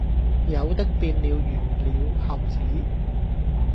有的變了魚鳥猴子，